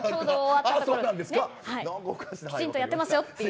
きちんとやってますよっていう。